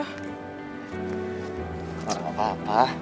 gak ada gapapa